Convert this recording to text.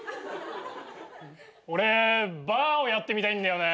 俺バーをやってみたいんだよね。